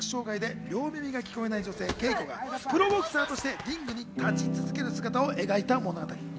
聴覚障がいで両耳が聞こえない女性・ケイコがプロボクサーとしてリングに立ち続ける姿を描いた物語。